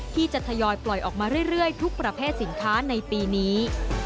ที่จะทยอยปล่อยออกมาเรื่อยทุกประเภทสินค้าในปีนี้